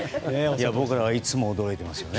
僕らはいつも驚いてます。